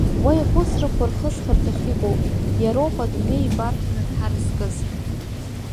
Уа ихәыцрақәа рхыҵхырҭахь иҟоуп, иароуп адунеи ибарҭаны дҳаразкыз.